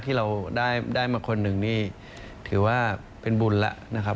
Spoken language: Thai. ที่เราได้มาคนหนึ่งนี่ถือว่าเป็นบุญแล้วนะครับ